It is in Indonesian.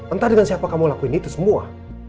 entah dengan siapa kamu lakuin itu semua